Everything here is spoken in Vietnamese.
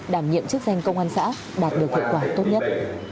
đảm nhiệm chức danh công an xã đạt được hiệu quả tốt nhất